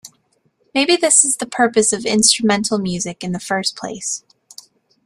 Maybe this is the purpose of instrumental music in the first place.